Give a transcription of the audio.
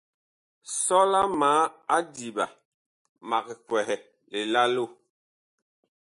Sɔla ma adiɓa, mag kwɛhɛ lilalo.